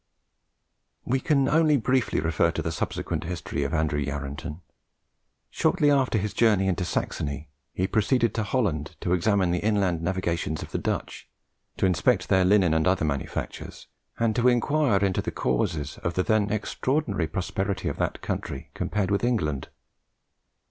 We can only briefly refer to the subsequent history of Andrew Yarranton. Shortly after his journey into Saxony, he proceeded to Holland to examine the inland navigations of the Dutch, to inspect their linen and other manufactures, and to inquire into the causes of the then extraordinary prosperity of that country compared with England.